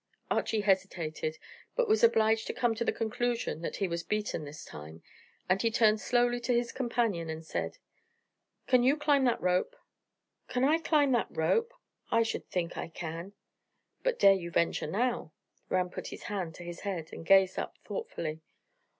Archy hesitated, but was obliged to come to the conclusion that he was beaten this time, and he turned slowly to his companion and said, "Can you climb that rope?" "Can I climb that rope? I should think I can!" "But dare you venture now?" Ram put his hand to his head, and gazed up thoughtfully.